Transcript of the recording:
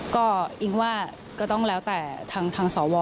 ก็อิงว่าก็ต้องแล้วแต่ทางสว